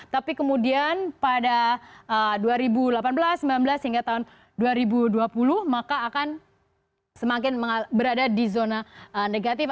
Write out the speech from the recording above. tapi kemudian pada dua ribu delapan belas dua ribu sembilan belas hingga tahun dua ribu dua puluh maka akan semakin berada di zona negatif